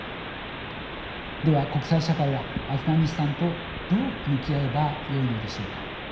では国際社会はアフガニスタンとどう向き合えばよいのでしょうか。